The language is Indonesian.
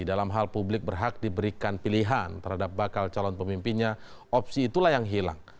dalam hal publik berhak diberikan pilihan terhadap bakal calon pemimpinnya opsi itulah yang hilang